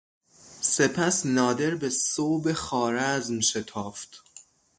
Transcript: سپس نادر به صوب خوارزم شتافت.